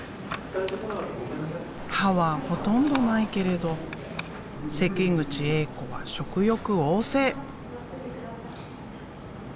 歯はほとんどないけれど関口エイ子は食欲旺盛。